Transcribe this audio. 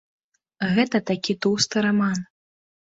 Гэта такі тоўсты раман.